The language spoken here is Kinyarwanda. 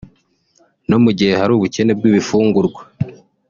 no mu gihe hari ubukene bw’ibifungurwa